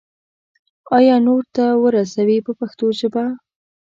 او یا نورو ته ورسوي په پښتو ژبه.